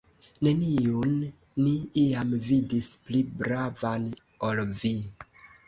Neniun ni iam vidis pli bravan, ol vi!